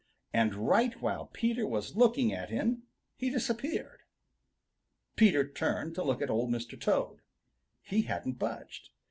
And right while Peter was looking at him he disappeared. Peter turned to look at Old Mr. Toad. He hadn't budged.